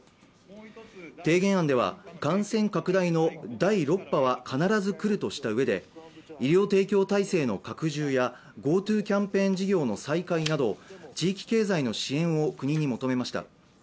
提言案では感染拡大の第６波は必ず来るとしたうえで医療提供体制の拡充やＧｏＴｏキャンペーン事業の再開など地域経済の支援を国に求めました。